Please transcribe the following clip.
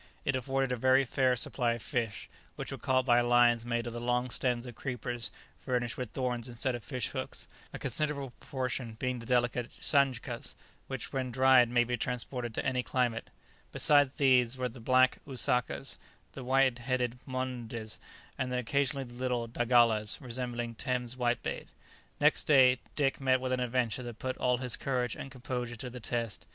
It afforded a very fair supply of fish, which were caught by lines made of the long stems of creepers furnished with thorns instead of fish hooks, a considerable proportion being the delicate sandjtkas, which when dried may be transported to any climate; besides these there were the black usakas, the wide headed monndés, and occasionally the little dagalas, resembling Thames whitebait. [Illustration: He stood face to face with his foe.] Next day, Dick met with an adventure that put all his courage and composure to the test.